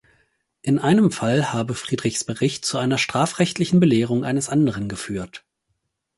In einem Fall habe Friedrichs Bericht zu einer strafrechtlichen Belehrung eines anderen geführt.